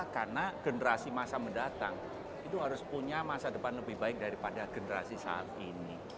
karena generasi masa mendatang itu harus punya masa depan lebih baik daripada generasi saat ini